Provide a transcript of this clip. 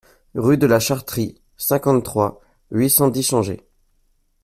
Rue de la Chartrie, cinquante-trois, huit cent dix Changé